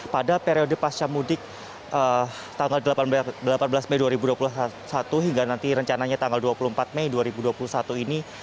pada periode pasca mudik tanggal delapan belas mei dua ribu dua puluh satu hingga nanti rencananya tanggal dua puluh empat mei dua ribu dua puluh satu ini